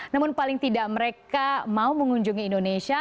namun paling tidak mereka mau mengunjungi indonesia